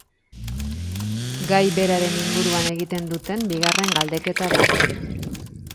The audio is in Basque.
Gai beraren inguruan egiten duten bigarren galdeketa da.